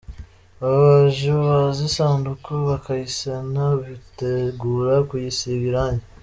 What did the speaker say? Ababaji babaza isanduku, bakayisena bitegura kuyisiga irangi.